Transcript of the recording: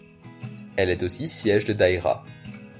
Elle est aussi siège de Daïra.